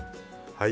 はい。